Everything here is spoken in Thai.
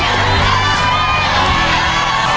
รับทราบ